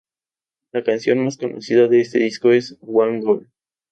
La canción más conocida de este disco es "One goal".